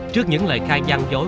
trước những lời khai gian dối